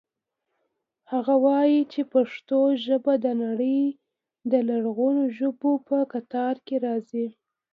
هغه وایي چې پښتو ژبه د نړۍ د لرغونو ژبو په کتار کې راځي.